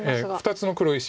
２つの黒石